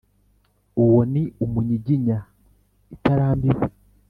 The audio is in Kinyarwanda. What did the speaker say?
uwo ni umunyiginya itarambiwe